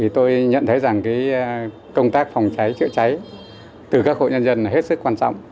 tôi nhận thấy rằng công tác phòng cháy chữa cháy từ các hội nhân dân hết sức quan trọng